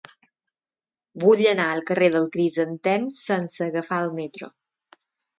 Vull anar al carrer del Crisantem sense agafar el metro.